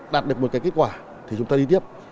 đạt được một cái kết quả thì chúng ta đi tiếp